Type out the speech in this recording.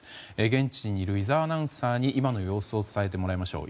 現地にいる井澤アナウンサーに今の様子を伝えてもらいましょう。